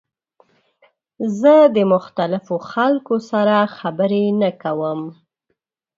زه د مختلفو خلکو سره خبرې نه کوم.